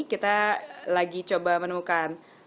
kita lagi coba menemukan